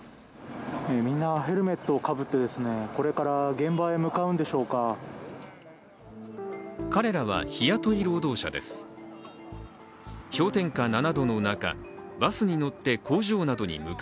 みんなヘルメットをかぶってこれから現場へ向かうんでしょうか。